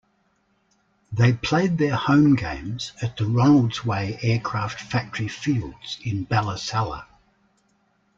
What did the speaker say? They played their home games at the Ronaldsway Aircraft Factory Fields in Ballasalla.